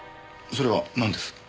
それはなんです？